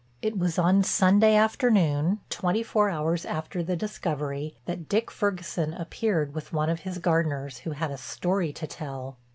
It was on Sunday afternoon—twenty four hours after the discovery—that Dick Ferguson appeared with one of his gardeners, who had a story to tell.